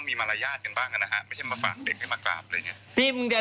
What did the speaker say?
ไม่ใช่มาฝากเด็กไปมากราบเลย